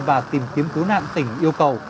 và tìm kiếm cứu nạn tỉnh yêu cầu